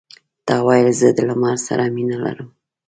تا ویل زه د لمر سره مینه لرم.